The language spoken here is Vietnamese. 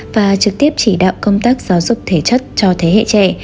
và trực tiếp chỉ đạo công tác giáo dục thể chất cho thế hệ trẻ